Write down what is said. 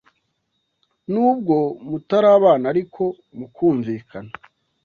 Nubwo mutarabana ariko mukumvikana